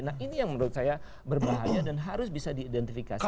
nah ini yang menurut saya berbahaya dan harus bisa diidentifikasi